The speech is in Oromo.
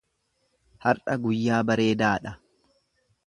Har’a guyyaa bareedaa dha.